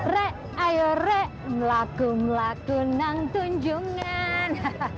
re ayo re melaku melaku nang tunjungan